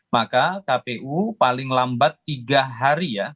maka kpu paling lambat tiga hari ya